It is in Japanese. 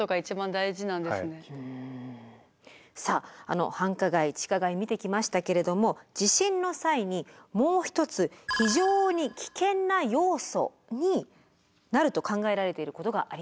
さあ繁華街地下街見てきましたけれども地震の際にもう一つ非常に危険な要素になると考えられていることがあります。